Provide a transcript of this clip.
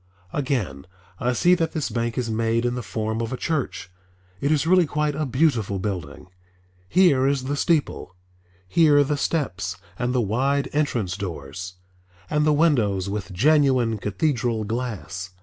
Again, I see that this bank is made in the form of a church. It is really quite a beautiful building. Here is the steeple, here the steps and the wide entrance doors, and the windows with genuine cathedral glass.